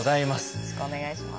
よろしくお願いします。